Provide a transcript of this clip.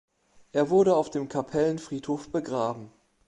Er wurde auf dem Kapellenfriedhof begraben.